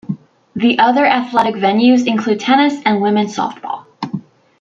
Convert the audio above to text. The other athletic venues include tennis and women's softball.